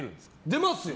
出ますよ。